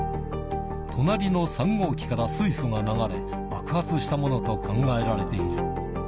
隣の３号機から水素が流れ爆発したものと考えられている。